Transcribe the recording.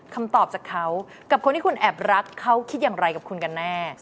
คำตอบจากเขากับคนที่คุณแอบรักเขาคิดอย่างไรกับคุณกันแน่